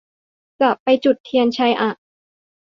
จะไปจุดเทียนชัยอ่ะ